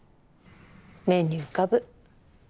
目に浮かぶ。